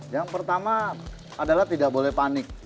yang pertama adalah tidak boleh panik